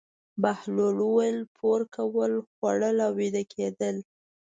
بهلول وویل: پور کول، خوړل او ویده کېدل.